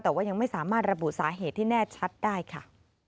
แต่ว่ายังไม่สามารถระบุสาเหตุที่แน่ชัดได้ค่ะ